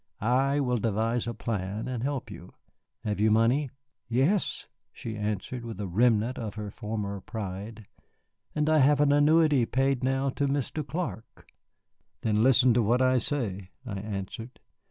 I will devise a plan and help you. Have you money?" "Yes," she answered, with a remnant of her former pride; "and I have an annuity paid now to Mr. Clark." "Then listen to what I say," I answered.